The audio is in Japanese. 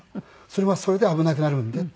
それはそれで危なくなるんでって。